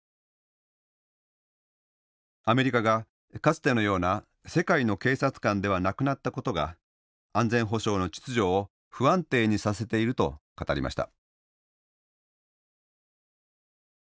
アメリカがかつてのような「世界の警察官」ではなくなったことが安全保障の秩序を不安定にさせていると語りました。